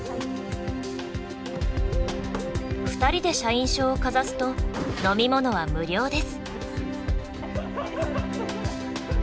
２人で社員証をかざすと飲み物は無料です。